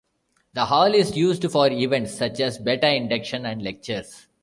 The hall is used for events such as Beta Induction and lectures.